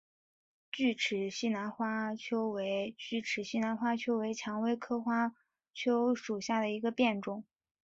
巨齿西南花楸为蔷薇科花楸属下的一个变种。